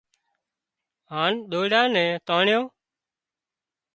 هانَ ۮوئيڙا نين تانڻيون